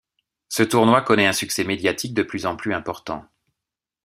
Ce tournoi connait un succès médiatique de plus en plus important.